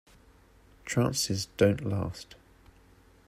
Trances don’t last.